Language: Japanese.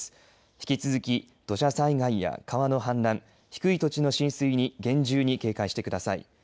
引き続き土砂災害や川の氾濫低い土地の浸水に厳重に警戒してください。